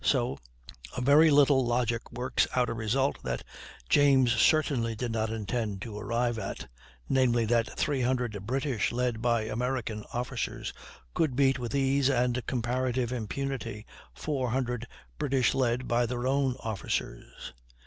So a very little logic works out a result that James certainly did not intend to arrive at; namely, that 300 British led by American officers could beat, with ease and comparative impunity, 400 British led by their own officers.